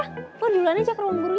lo duluan aja ke ruang gurunya